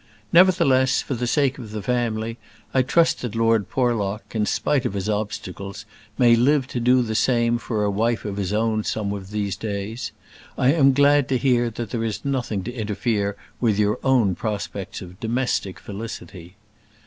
Nevertheless, for the sake of the family, I trust that Lord Porlock, in spite of his obstacles, may live to do the same for a wife of his own some of these days. I am glad to hear that there is nothing to interfere with your own prospects of domestic felicity.